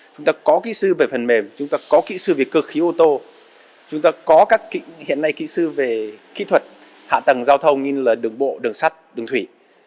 chúng ta có kỹ sư về phần mềm chúng ta có kỹ sư về cơ khí ô tô chúng ta có các hiện nay kỹ sư về kỹ thuật hạ tầng giao thông như là đường bộ đường sắt đường thủy